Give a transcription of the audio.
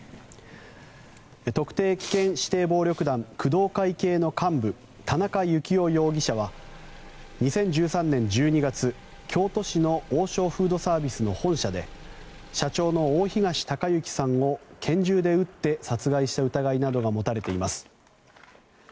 特定危険指定暴力団工藤会の幹部、田中幸雄容疑者は２０１３年１２月、京都市の王将フードサービスの本社で社長の大東隆行さんを拳銃で撃って殺害した疑いなどが持たれています。